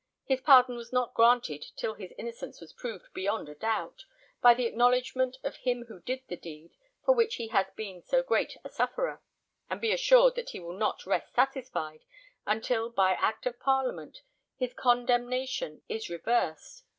His pardon was not granted till his innocence was proved beyond a doubt, by the acknowledgment of him who did the deed for which he has been so great a sufferer; and be assured that he will not rest satisfied until, by act of parliament, his condemnation is reversed.